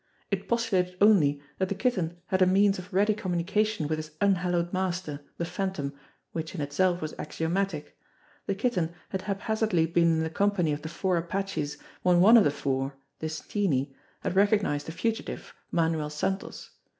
It postulated only that the Kitten had a means of ready communication with his unhallowed master, the Phan tom, which in itself was axiomatic. The Kitten had hap hazardly been in the company of the four apaches when one of the four, this Steenie, had recognised the fugitive, Manuel Santos.